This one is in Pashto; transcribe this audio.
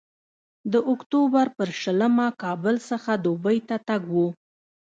د اکتوبر پر شلمه کابل څخه دوبۍ ته تګ و.